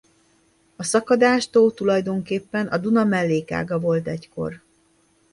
A Szakadás tó tulajdonképpen a Duna mellékága volt egykor.